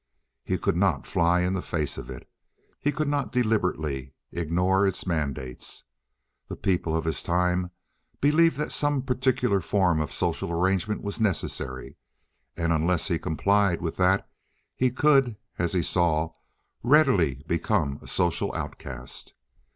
He could not fly in the face of it. He could not deliberately ignore its mandates. The people of his time believed that some particular form of social arrangement was necessary, and unless he complied with that he could, as he saw, readily become a social outcast.